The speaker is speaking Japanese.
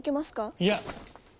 いや。